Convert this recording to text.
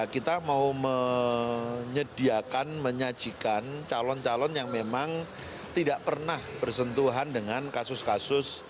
kita mau menyediakan menyajikan calon calon yang memang tidak pernah bersentuhan dengan kasus kasus